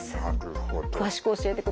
詳しく教えてください。